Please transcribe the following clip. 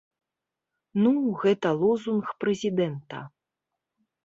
Ну, гэта лозунг прэзідэнта.